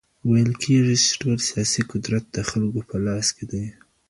ويل کېږي چي ټول سياسي قدرت د خلګو په لاس کي دی.